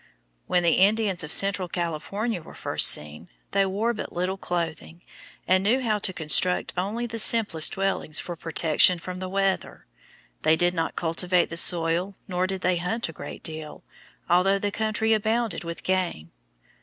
When the Indians of central California were first seen, they wore but little clothing, and knew how to construct only the simplest dwellings for protection from the weather. They did not cultivate the soil, nor did they hunt a great deal, although the country abounded with game.